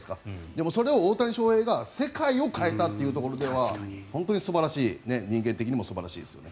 でもそれを大谷翔平が世界を変えたというところでは本当に素晴らしい人間的にも素晴らしいですよね。